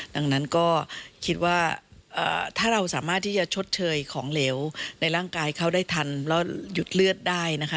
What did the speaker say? ดังนั้นก็คิดว่าถ้าเราสามารถที่จะชดเชยของเหลวในร่างกายเขาได้ทันแล้วหยุดเลือดได้นะคะ